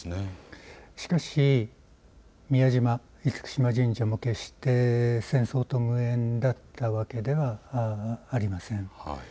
しかし宮島、厳島神社も決して戦争と無縁だったわけではありません。